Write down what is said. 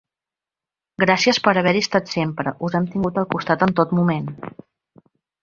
Gràcies per haver-hi estat sempre, us hem tingut al costat en tot moment.